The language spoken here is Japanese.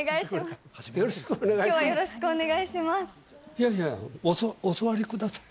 いやいや、お座りください。